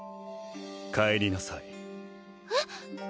帰りなさいえっ？